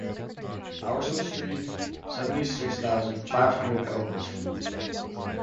Oursel street, seventy-six thousand, five hundred Elbeuf